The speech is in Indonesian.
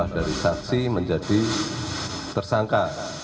dari saksi menjadi tersangka